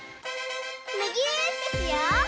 むぎゅーってしよう！